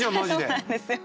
そうなんですよ。